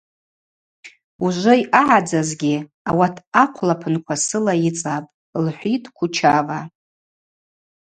Ужвы йъагӏадзазгьи ауат ахъвлапынква сыла йыцӏапӏ, – лхӏвитӏ Кучава.